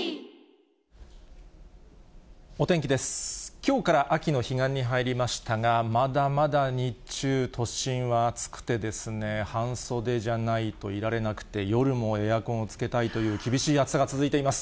きょうから秋の彼岸に入りましたが、まだまだ日中、都心は暑くて、半袖じゃないといられなくて、夜もエアコンつけたいという厳しい暑さが続いています。